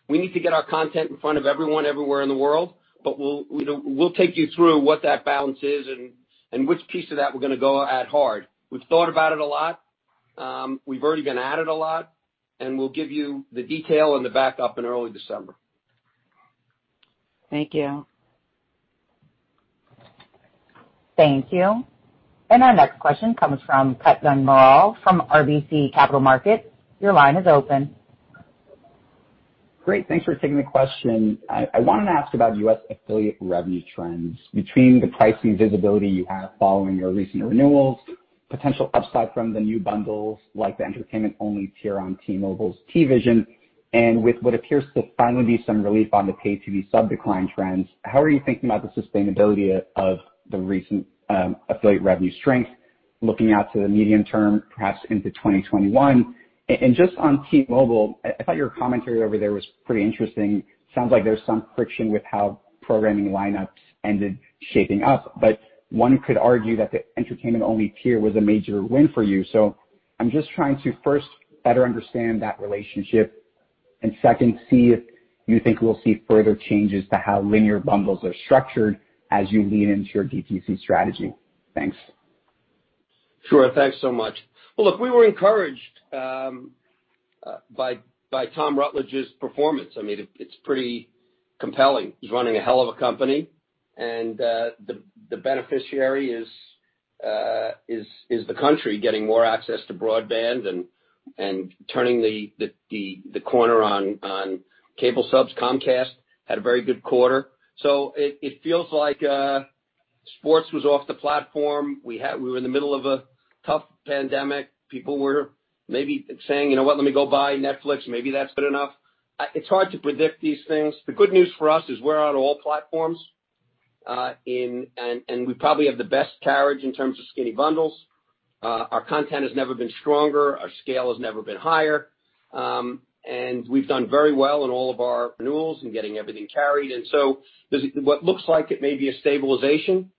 we need to get our content in front of everyone everywhere in the world, but we'll take you through what that balance is and which piece of that we're going to go at hard. We've thought about it a lot. We've already been at it a lot, and we'll give you the detail and the backup in early December. Thank you. Thank you. Our next question comes from Kutgun Maral from RBC Capital Markets. Your line is open. Great. Thanks for taking the question. I wanted to ask about U.S. affiliate revenue trends between the pricing visibility you have following your recent renewals, potential upside from the new bundles, like the entertainment-only tier on T-Mobile's TVision, and with what appears to finally be some relief on the pay-TV sub decline trends. How are you thinking about the sustainability of the recent affiliate revenue strength looking out to the medium term, perhaps into 2021? Just on T-Mobile, I thought your commentary over there was pretty interesting. Sounds like there's some friction with how programming lineups ended shaping up, but one could argue that the entertainment-only tier was a major win for you. I'm just trying to first better understand that relationship and second, see if you think we'll see further changes to how linear bundles are structured as you lean into your DTC strategy. Thanks. Sure. Thanks so much. Well, look, we were encouraged by Tom Rutledge's performance. I mean, it's pretty compelling. He's running a hell of a company, and the beneficiary is the country getting more access to broadband and turning the corner on cable subs. Comcast had a very good quarter. It feels like sports was off the platform. We were in the middle of a tough pandemic. People were maybe saying, "You know what? Let me go buy Netflix. Maybe that's good enough." It's hard to predict these things. The good news for us is we're on all platforms, and we probably have the best carriage in terms of skinny bundles. Our content has never been stronger, our scale has never been higher. We've done very well in all of our renewals in getting everything carried. What looks like it may be a stabilization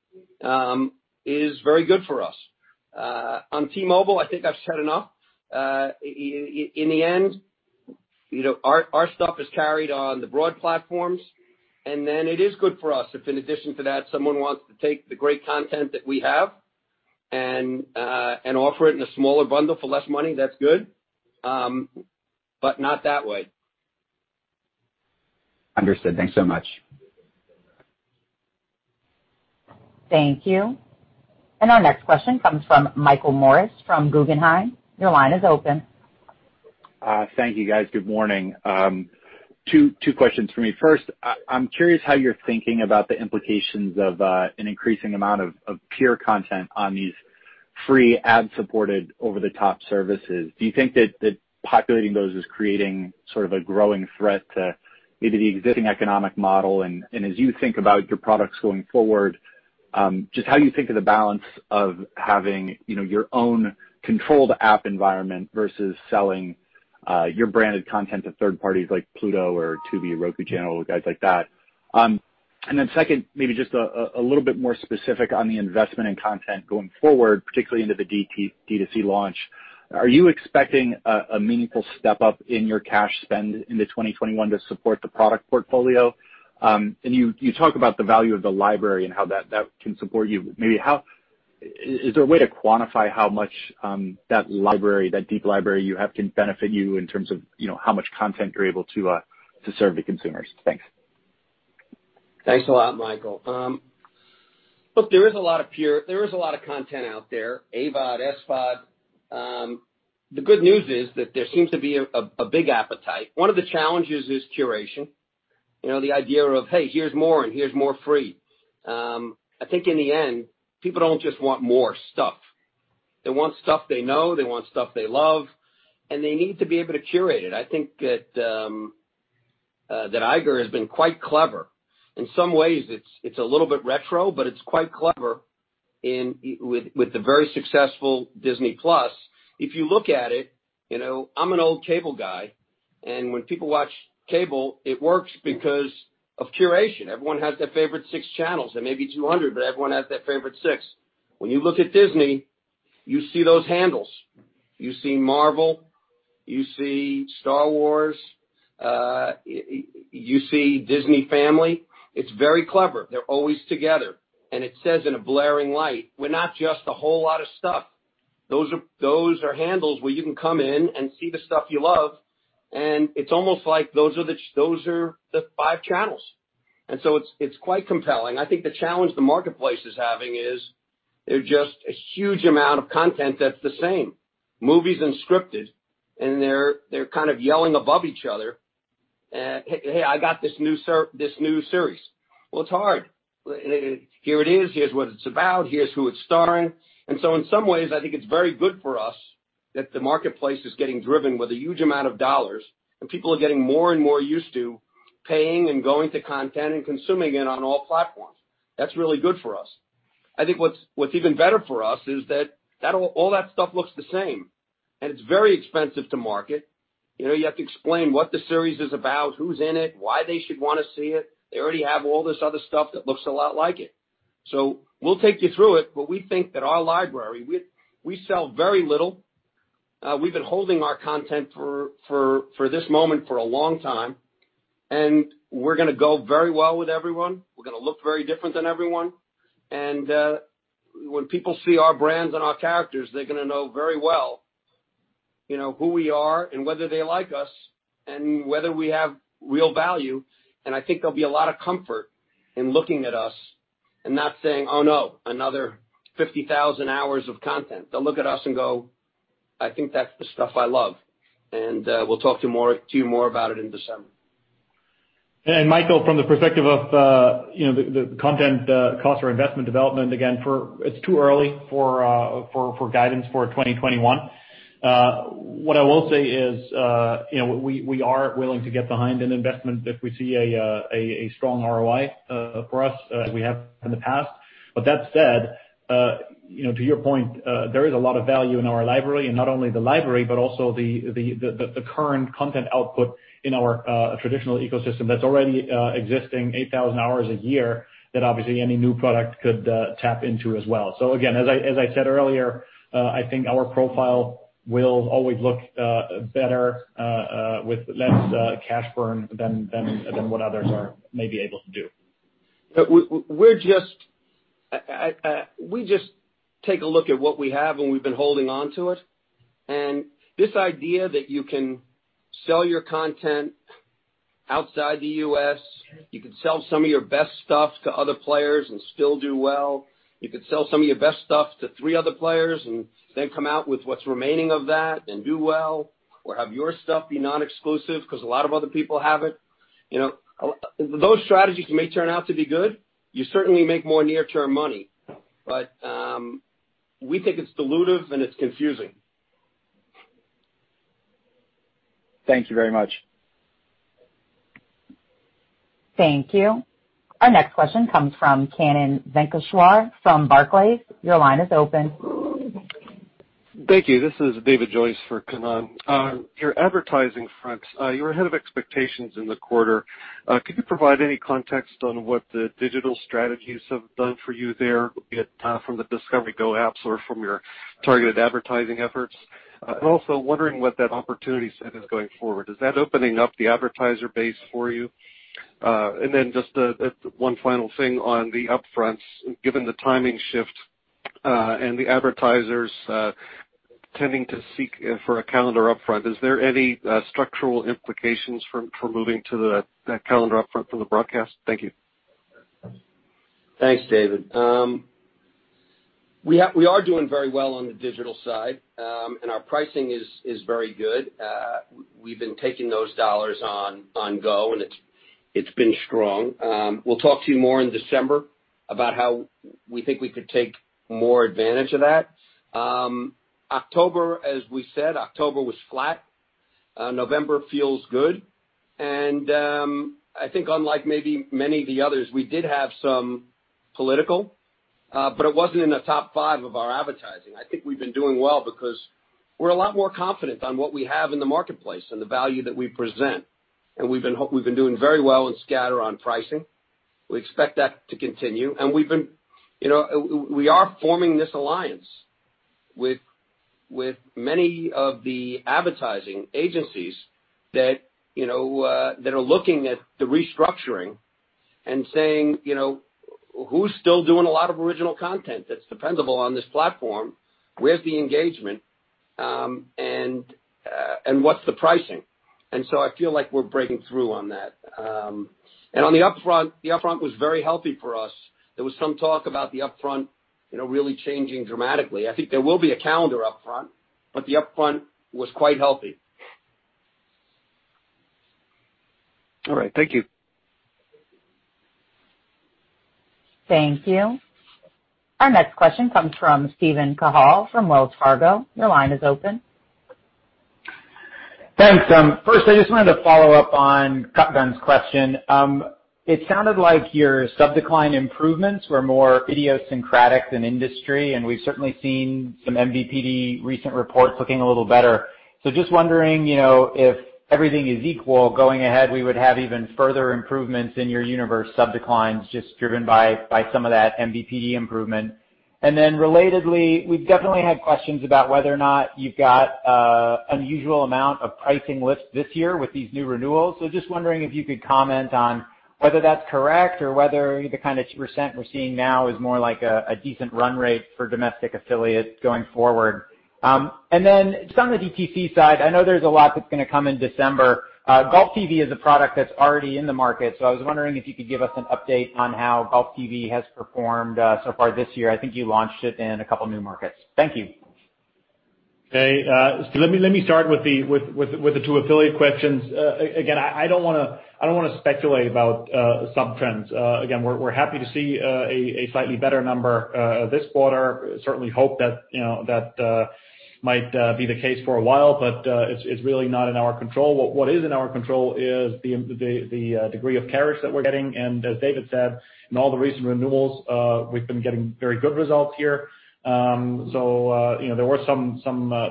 is very good for us. On T-Mobile, I think I've said enough. In the end, our stuff is carried on the broad platforms, and then it is good for us if in addition to that, someone wants to take the great content that we have and offer it in a smaller bundle for less money, that's good, but not that way. Understood. Thanks so much. Thank you. Our next question comes from Michael Morris from Guggenheim. Your line is open. Thank you, guys. Good morning. Two questions for me. First, I'm curious how you're thinking about the implications of an increasing amount of pure content on these free ad-supported over-the-top services. Do you think that populating those is creating sort of a growing threat to maybe the existing economic model? As you think about your products going forward, just how you think of the balance of having your own controlled app environment versus selling your branded content to third parties like Pluto or Tubi, Roku Channel, guys like that. Second, maybe just a little bit more specific on the investment in content going forward, particularly into the D2C launch. Are you expecting a meaningful step-up in your cash spend into 2021 to support the product portfolio- you talk about the value of the library and how that can support you. Is there a way to quantify how much that deep library you have can benefit you in terms of how much content you're able to serve the consumers? Thanks. Thanks a lot, Michael. There is a lot of content out there, AVOD, SVOD. The good news is that there seems to be a big appetite. One of the challenges is curation. The idea of, hey, here's more and here's more free. I think in the end, people don't just want more stuff. They want stuff they know, they want stuff they love, and they need to be able to curate it. I think that Iger has been quite clever. In some ways, it's a little bit retro, but it's quite clever with the very successful Disney+. If you look at it, I'm an old cable guy, and when people watch cable, it works because of curation. Everyone has their favorite six channels. There may be 200, but everyone has their favorite six. When you look at Disney, you see those handles. You see Marvel, you see Star Wars, you see Disney Family. It's very clever. They're always together. It says in a blaring light, we're not just a whole lot of stuff. Those are handles where you can come in and see the stuff you love, and it's almost like those are the five channels. It's quite compelling. I think the challenge the marketplace is having is there's just a huge amount of content that's the same, movies and scripted, and they're kind of yelling above each other, "Hey, I got this new series." Well, it's hard. Here it is. Here's what it's about. Here's who it's starring. In some ways, I think it's very good for us that the marketplace is getting driven with a huge amount of dollars, and people are getting more and more used to paying and going to content and consuming it on all platforms. That's really good for us. I think what's even better for us is that all that stuff looks the same, and it's very expensive to market. You have to explain what the series is about, who's in it, why they should want to see it. They already have all this other stuff that looks a lot like it. We'll take you through it. We sell very little. We've been holding our content for this moment for a long time, and we're going to go very well with everyone. We're going to look very different than everyone. When people see our brands and our characters, they're going to know very well you know who we are and whether they like us and whether we have real value. I think there'll be a lot of comfort in looking at us and not saying, "Oh, no, another 50,000 hours of content." They'll look at us and go, "I think that's the stuff I love." We'll talk to you more about it in December. Michael, from the perspective of the content, cost or investment development, again, it's too early for guidance for 2021. What I will say is we are willing to get behind an investment if we see a strong ROI for us as we have in the past. That said, to your point, there is a lot of value in our library, not only the library, but also the current content output in our traditional ecosystem that's already existing 8,000 hours a year that obviously any new product could tap into as well. Again, as I said earlier, I think our profile will always look better with less cash burn than what others may be able to do. We just take a look at what we have, and we've been holding onto it. This idea that you can sell your content outside the U.S., you can sell some of your best stuff to other players and still do well. You could sell some of your best stuff to three other players and then come out with what's remaining of that and do well, or have your stuff be non-exclusive because a lot of other people have it. Those strategies may turn out to be good. You certainly make more near-term money. We think it's dilutive and it's confusing. Thank you very much. Thank you. Our next question comes from Kannan Venkateshwar from Barclays. Your line is open. Thank you. This is David Joyce for Kannan. On your advertising front, you were ahead of expectations in the quarter. Could you provide any context on what the digital strategies have done for you there, be it from the Discovery GO apps or from your targeted advertising efforts? Also wondering what that opportunity set is going forward- is that opening up the advertiser base for you? Then just one final thing on the upfronts, given the timing shift, and the advertisers tending to seek for a calendar upfront, is there any structural implications for moving to that calendar upfront from the broadcast? Thank you. Thanks, David. We are doing very well on the digital side. Our pricing is very good. We've been taking those dollars on GO. It's been strong. We'll talk to you more in December about how we think we could take more advantage of that. October, as we said, October was flat. November feels good. I think unlike maybe many of the others, we did have some political, but it wasn't in the top five of our advertising. I think we've been doing well because we're a lot more confident on what we have in the marketplace and the value that we present. We've been doing very well in scatter on pricing. We expect that to continue. We are forming this alliance with many of the advertising agencies that are looking at the restructuring and saying, "Who's still doing a lot of original content that's dependable on this platform? Where's the engagement? And what's the pricing?" I feel like we're breaking through on that. On the upfront, the upfront was very healthy for us. There was some talk about the upfront really changing dramatically. I think there will be a calendar upfront, but the upfront was quite healthy. All right. Thank you. Thank you. Our next question comes from Steven Cahall from Wells Fargo. Your line is open. Thanks. First, I just wanted to follow up on Kutgun's question. It sounded like your sub-decline improvements were more idiosyncratic than industry, and we've certainly seen some MVPD recent reports looking a little better. Just wondering, if everything is equal going ahead, we would have even further improvements in your universe sub-declines just driven by some of that MVPD improvement. Relatedly, we've definitely had questions about whether or not you've got unusual amount of pricing lifts this year with these new renewals. Just wondering if you could comment on whether that's correct or whether the kind of percent we're seeing now is more like a decent run rate for domestic affiliates going forward. Just on the DTC side, I know there's a lot that's going to come in December. GolfTV is a product that's already in the market. I was wondering if you could give us an update on how GolfTV has performed so far this year. I think you launched it in a couple new markets. Thank you. Okay. Let me start with the two affiliate questions. Again, I don't want to speculate about sub-trends. Again, we're happy to see a slightly better number this quarter. Certainly hope that might be the case for a while, but it's really not in our control. What is in our control is the degree of carriage that we're getting, and as David said, in all the recent renewals, we've been getting very good results here. There was some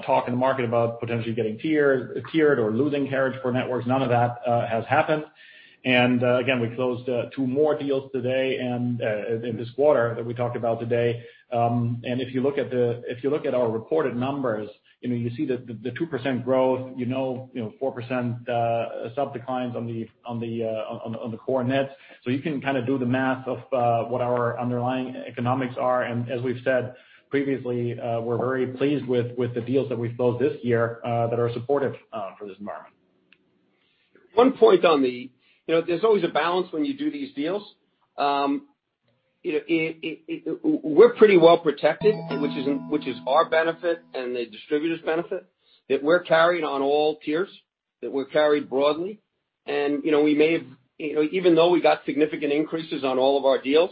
talk in the market about potentially getting tiered or losing carriage for networks. None of that has happened. Again, we closed two more deals today and in this quarter that we talked about today. If you look at our reported numbers, you see the 2% growth, you know 4% sub-declines on the core nets. You can kind of do the math of what our underlying economics are. As we've said previously, we're very pleased with the deals that we've closed this year that are supportive for this environment. There's always a balance when you do these deals. We're pretty well protected, which is our benefit and the distributor's benefit, that we're carried on all tiers, that we're carried broadly. Even though we got significant increases on all of our deals,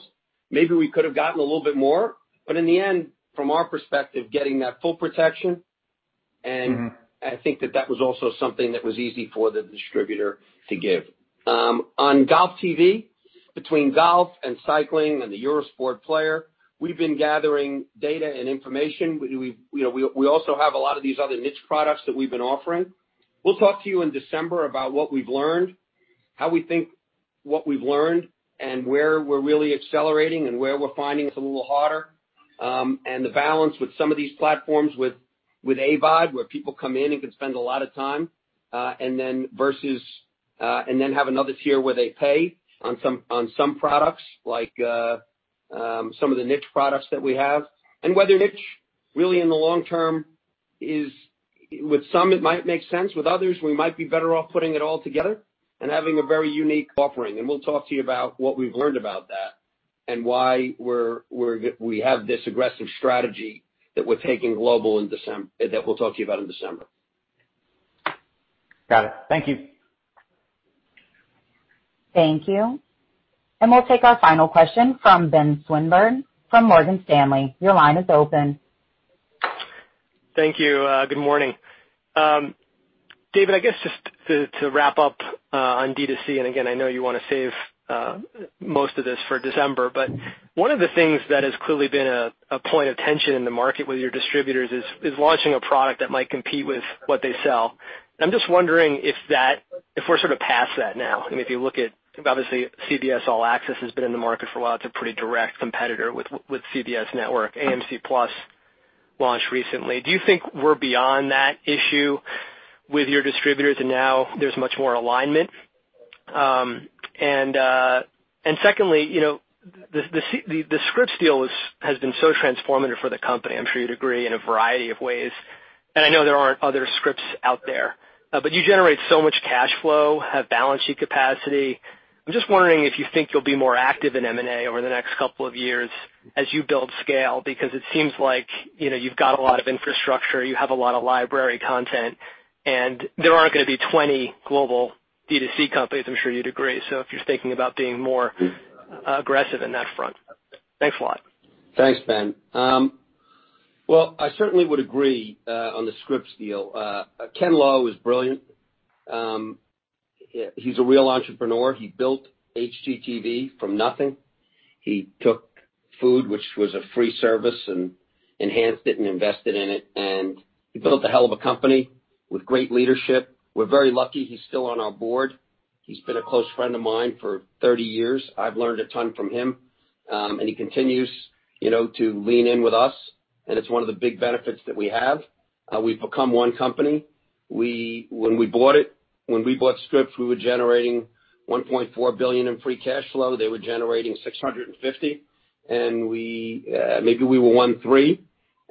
maybe we could have gotten a little bit more, but in the end, from our perspective, getting that full protection, and I think that that was also something that was easy for the distributor to give. On GolfTV, between golf and cycling and the Eurosport Player, we've been gathering data and information. We also have a lot of these other niche products that we've been offering. We'll talk to you in December about what we've learned, how we think what we've learned, and where we're really accelerating, and where we're finding it's a little harder, and the balance with some of these platforms with AVOD, where people come in and can spend a lot of time, and then have another tier where they pay on some products, like some of the niche products that we have. Whether niche- really in the long term with some, it might make sense. With others, we might be better off putting it all together and having a very unique offering. We'll talk to you about what we've learned about that, and why we have this aggressive strategy that we're taking global that we'll talk to you about in December. Got it. Thank you. Thank you. We'll take our final question from Ben Swinburne from Morgan Stanley. Your line is open. Thank you. Good morning. David, I guess just to wrap up on D2C, and again, I know you want to save most of this for December, but one of the things that has clearly been a point of tension in the market with your distributors is launching a product that might compete with what they sell. I'm just wondering if we're sort of past that now. I mean, if you look at, obviously, CBS All Access has been in the market for a while. It's a pretty direct competitor with CBS Network. AMC+ launched recently. Do you think we're beyond that issue with your distributors and now there's much more alignment? Secondly, the Scripps deal has been so transformative for the company, I'm sure you'd agree, in a variety of ways. I know there aren't other Scripps out there. You generate so much cash flow, have balance sheet capacity. I'm just wondering if you think you'll be more active in M&A over the next couple of years as you build scale, because it seems like you've got a lot of infrastructure, you have a lot of library content, and there aren't going to be 20 global D2C companies, I'm sure you'd agree. If you're thinking about being more aggressive in that front. Thanks a lot. Thanks, Ben. Well, I certainly would agree on the Scripps deal. Ken Lowe is brilliant. He's a real entrepreneur. He built HGTV from nothing. He took Food, which was a free service, enhanced it and invested in it. He built a hell of a company with great leadership. We're very lucky he's still on our board. He's been a close friend of mine for 30 years. I've learned a ton from him. He continues to lean in with us, and it's one of the big benefits that we have. We've become one company. When we bought Scripps, we were generating $1.4 billion in free cash flow. They were generating $650 million, maybe we were $1.3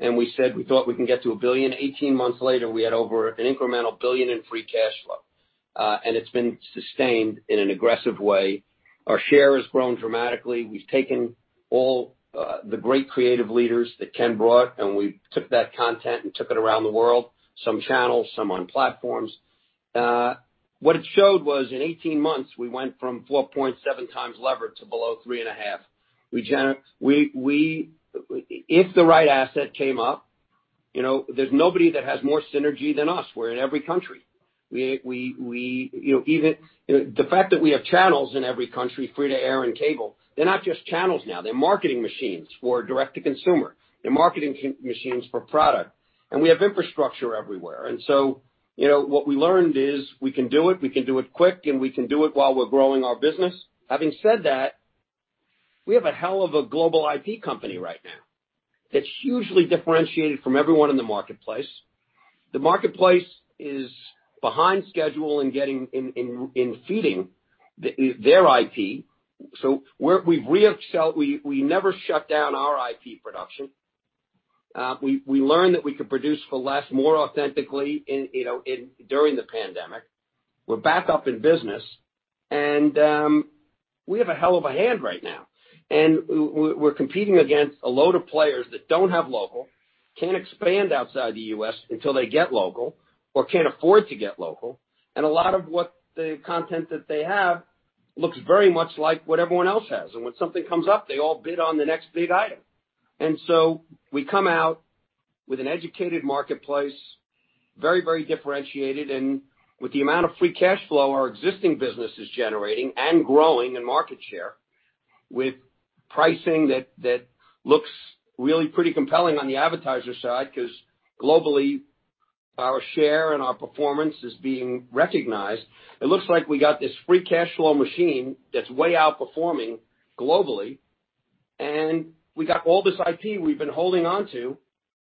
billion, we said we thought we can get to $1 billion. 18 months later, we had over an incremental $1 billion in free cash flow. It's been sustained in an aggressive way. Our share has grown dramatically. We've taken all the great creative leaders that Ken brought, and we took that content and took it around the world, some channels, some on platforms. What it showed was in 18 months, we went from 4.7x lever to below 3.5. If the right asset came up, there's nobody that has more synergy than us. We're in every country. The fact that we have channels in every country, free-to-air and cable, they're not just channels now. They're marketing machines for direct to consumer. They're marketing machines for product. We have infrastructure everywhere. What we learned is we can do it, we can do it quick, and we can do it while we're growing our business. Having said that, we have a hell of a global IP company right now that's hugely differentiated from everyone in the marketplace. The marketplace is behind schedule in feeding their IP. We never shut down our IP production. We learned that we could produce for less, more authentically during the pandemic. We're back up in business. We have a hell of a hand right now. We're competing against a load of players that don't have local, can't expand outside the U.S. until they get local, or can't afford to get local. A lot of what the content that they have looks very much like what everyone else has. When something comes up, they all bid on the next big item. We come out with an educated marketplace, very differentiated, and with the amount of free cash flow our existing business is generating and growing in market share with pricing that looks really pretty compelling on the advertiser side, because globally, our share and our performance is being recognized. It looks like we got this free cash flow machine that's way outperforming globally, and we got all this IP we've been holding onto,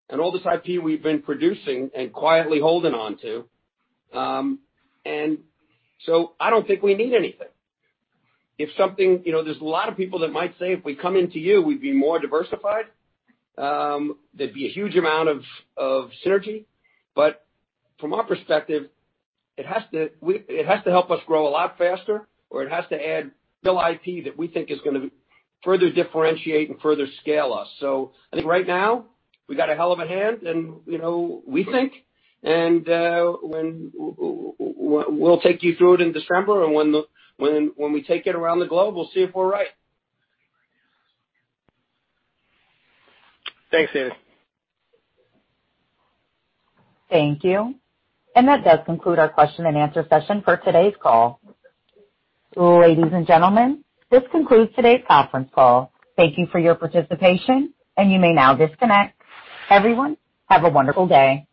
and all this IP we've been producing and quietly holding onto. I don't think we need anything. There's a lot of people that might say, if we come into you, we'd be more diversified. There'd be a huge amount of synergy. From our perspective, it has to help us grow a lot faster, or it has to add real IP that we think is going to further differentiate and further scale us. I think right now we've got a hell of a hand and we think, and we'll take you through it in December, and when we take it around the globe, we'll see if we're right. Thanks, David. Thank you. That does conclude our question and answer session for today's call. Ladies and gentlemen, this concludes today's conference call. Thank you for your participation, and you may now disconnect. Everyone, have a wonderful day.